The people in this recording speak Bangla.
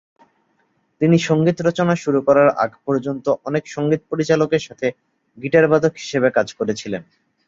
তিনি সঙ্গীত রচনা শুরু করার আগ পর্যন্ত অনেক সঙ্গীত পরিচালকের সাথে গিটার বাদক হিসেবে কাজ করেছিলেন।